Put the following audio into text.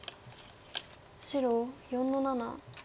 白４の七。